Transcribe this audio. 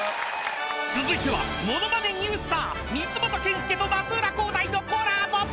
［続いてはモノマネニュースター三本健介と松浦航大のコラボ］